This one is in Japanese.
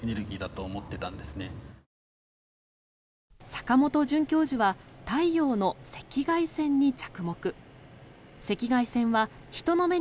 坂本准教授は太陽の赤外線に着目。